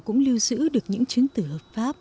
cũng lưu giữ được những chứng tử hợp pháp